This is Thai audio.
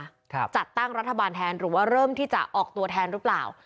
จัดตั้งรัฐบาลแทนหรือว่าเริ่มที่จะออกตัวแทนหรือเปล่า